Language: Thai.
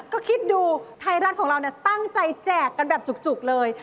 ก็คิดดูไทรันดี้ของเราตั้งใจแจกแต่มัดจุกเลย